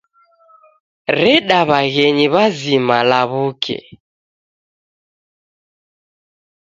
Reda w'aghenyi w'azima law'uke.